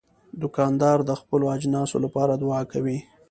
دوکاندار د خپلو اجناسو لپاره دعا کوي.